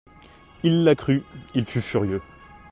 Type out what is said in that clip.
Il la crut, il fut furieux.